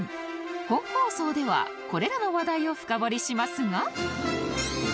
本放送ではこれらの話題を深掘りしますが